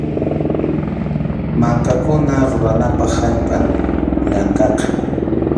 Mankakuna ruranapaq allpam llankaqa.